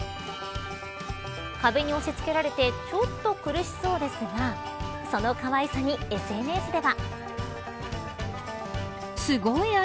壁に押し付けられてちょっと苦しそうですがそのかわいさにＳＮＳでは。